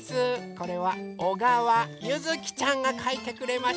これはおがわゆずきちゃんがかいてくれました。